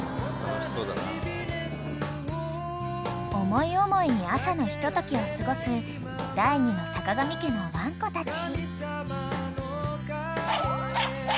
［思い思いに朝のひとときを過ごす第２の坂上家のワンコたち］